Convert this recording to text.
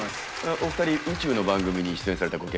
お二人宇宙の番組に出演されたご経験ありますか？